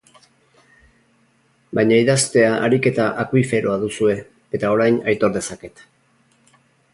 Baina idaztea ariketa akuiferoa duzue, eta orain aitor dezaket.